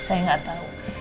saya gak tau